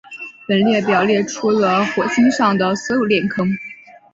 本列表列出了火星上的所有链坑。